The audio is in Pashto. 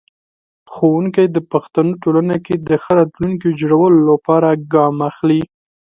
ښوونکی د پښتنو ټولنې کې د ښه راتلونکي جوړولو لپاره ګام اخلي.